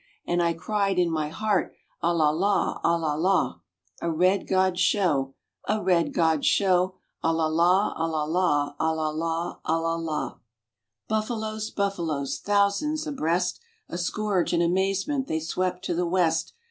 And I cried in my heart "A la la, a la la, A red god show, A red god show, A la la, a la la, a la la, a la la." Buffaloes, buffaloes, thousands abreast, A scourge and amazement, they swept to the west.